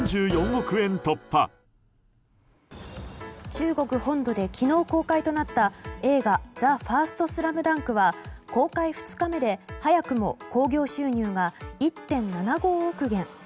中国本土で昨日公開となった映画「ＴＨＥＦＩＲＳＴＳＬＡＭＤＵＮＫ」は公開２日目で早くも興行収入が１．７５億元